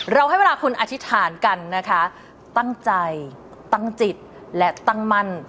ให้เวลาคุณอธิษฐานกันนะคะตั้งใจตั้งจิตและตั้งมั่น